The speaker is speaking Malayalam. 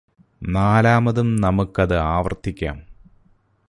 നാലാമതും നമുക്കത് ആവര്ത്തിക്കാം